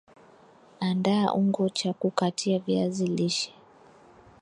andaa ungo cha kukatia viazi lishe